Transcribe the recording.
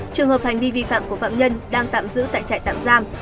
trường hợp hành vi vi phạm của phạm nhân đang tạm giữ tại trại tạm giam